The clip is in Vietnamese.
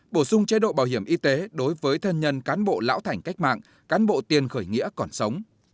bổ sung chế độ bảo hiểm y tế đối với thân nhân cán bộ lão thành cách mạng cán bộ tiền khởi nghĩa còn sống